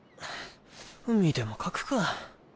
海でも描くか。